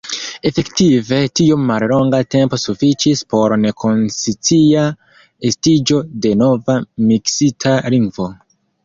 Efektive, tiom mallonga tempo sufiĉis por nekonscia estiĝo de nova miksita lingvo.